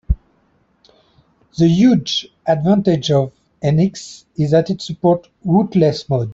The huge advantage of NX is that it supports "rootless" mode.